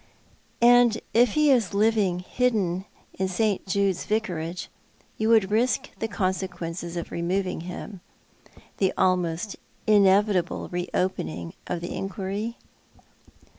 "And if he is living hidden in St. Jude's Vicarage yoa would risk the consequences of removing him — the almost inevitable re opening of the enquiry